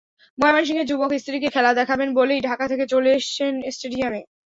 ময়মনসিংহের যুবক স্ত্রীকে খেলা দেখাবেন বলেই ঢাকা থেকে চলে এসেছেন স্টেডিয়ামে।